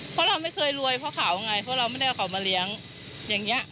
เพราะเราไม่เคยรวยเพราะเขาไงเพราะเราไม่ได้เอาเขามาเลี้ยงอย่างนี้